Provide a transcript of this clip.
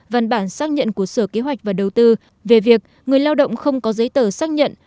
văn bản xác nhận của sở kế hoạch và đầu tư về việc người lao động không có giấy tờ xác nhận